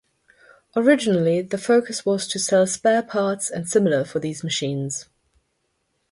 Originally the focus was to sell spare parts and similar for these machines.